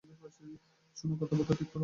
শোনো, কথাবার্তা ঠিক করো।